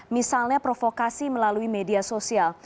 misalnya provokasi melalui media sosial